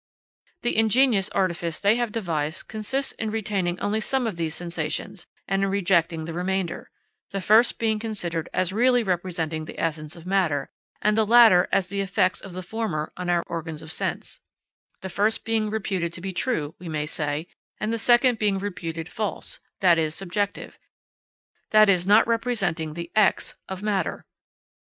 The ingenious artifice they have devised consists in retaining only some of these sensations, and in rejecting the remainder; the first being considered as really representing the essence of matter, and the latter as the effects of the former on our organs of sense; the first being reputed to be true, we may say, and the second being reputed false that is subjective, that is not representing the X of matter.